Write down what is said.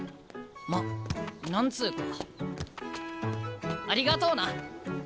ま何つうかありがとうな！